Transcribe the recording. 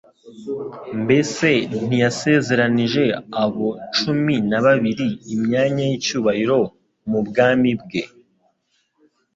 Mbese ntiyasezeranije abo cumi na babiri imyanya y'icyubahiro mu bwami bwe,